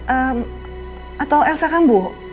ehm atau elsa kan bu